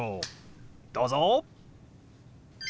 どうぞ！